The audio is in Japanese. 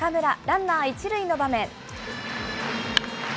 ランナー１塁の場面。